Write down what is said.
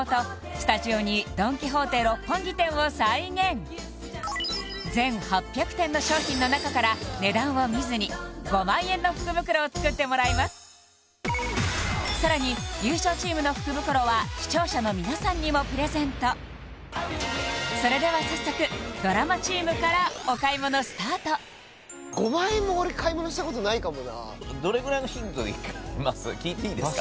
スタジオに全８００点の商品の中からの福袋を作ってもらいますさらに優勝チームの福袋は視聴者の皆さんにもプレゼントそれでは早速ドラマチームからお買い物スタート５万円も俺買い物したことないかもな聞いていいですか